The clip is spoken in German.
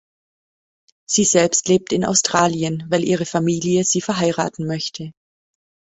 Sie selbst lebt in Australien, weil ihre Familie sie verheiraten möchte.